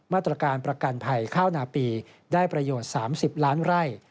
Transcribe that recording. มาตรการประกันภัยข้าวนาปีได้ประโยชน์๓๐ล้านไร่